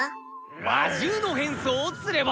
魔獣の変装をすれば！